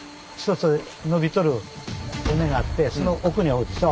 のびとる尾根があってその奥におるでしょ？